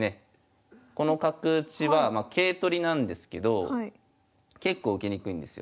この角打ちは桂取りなんですけど結構受けにくいんですよ。